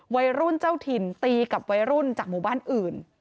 วัยรุ่นเจ้าถิ่นตีกับวัยรุ่นจากหมู่บ้านอื่น